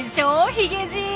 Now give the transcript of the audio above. ヒゲじい。